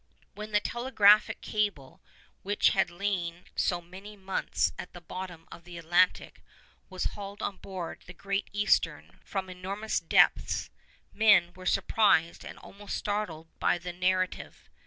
When the telegraphic cable which had lain so many months at the bottom of the Atlantic was hauled on board the 'Great Eastern' from enormous depths, men were surprised and almost startled by the narrative.